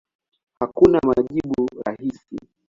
Hakuna majibu rahisi.